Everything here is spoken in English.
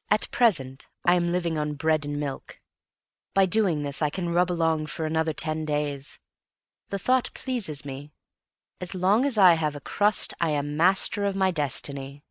_" At present I am living on bread and milk. By doing this I can rub along for another ten days. The thought pleases me. As long as I have a crust I am master of my destiny.